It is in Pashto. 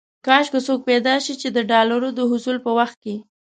کاش کې څوک پيدا شي چې د ډالرو د حصول په وخت کې.